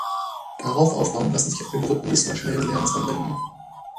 Darauf aufbauend lassen sich Algorithmen des maschinellen Lernens anwenden.